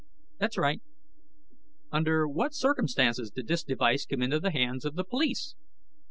"That's right." "Under what circumstances did this device come into the hands of the police?"